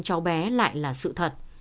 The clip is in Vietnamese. cháu bé lại là sự thật